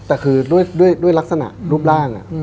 แต่คือด้วยลักษณะรูปร่าง